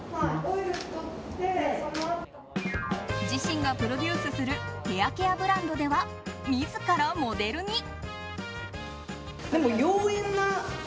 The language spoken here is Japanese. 自身がプロデュースするヘアケアブランドでは自らモデルに。